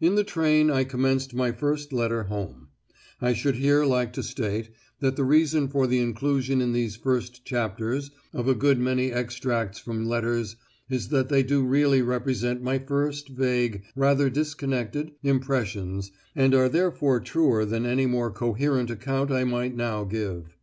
In the train I commenced my first letter home; and I should here like to state that the reason for the inclusion in these first chapters of a good many extracts from letters is that they do really represent my first vague, rather disconnected, impressions, and are therefore truer than any more coherent account I might now give.